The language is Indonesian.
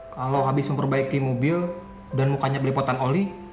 kalau habis memperbaiki mobil dan mukanya pelipotan oli